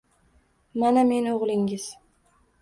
— Mana men, o’g’lingiz